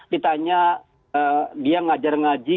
ditanya dia ngajar ngaji